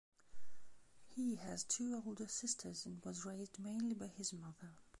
He has two older sisters, and was raised mainly by his mother.